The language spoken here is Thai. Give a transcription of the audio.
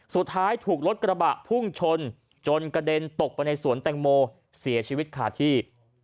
สุดท้ายถูกรถกระบะพุ่งชนจนกระเด็นตกไปในสวนแตงโมเสียชีวิตขาดที่